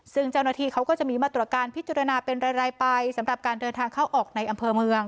ซึ่งเจ้าหน้าที่เขาก็จะมีมาตรการพิจารณาเป็นรายไปสำหรับการเดินทางเข้าออกในอำเภอเมือง